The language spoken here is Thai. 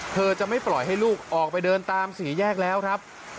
เธอจะไม่ปล่อยให้ลูกออกไปเดินตามสี่แยกแล้วครับ